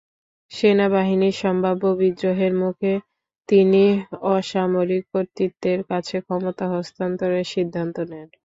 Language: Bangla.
সেনাবাহিনীর সম্ভাব্য বিদ্রোহের মুখে তিনি অসামরিক কর্তৃত্বের কাছে ক্ষমতা হস্তান্তরের সিদ্ধান্ত নেন।